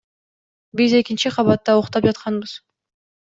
Биз экинчи кабатта уктап жатканбыз.